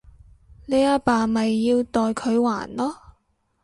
你阿爸咪要代佢還囉